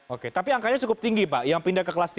oke tapi angkanya cukup tinggi pak yang pindah ke kelas tiga